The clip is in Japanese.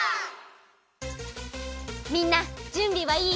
みんなじゅんびはいい？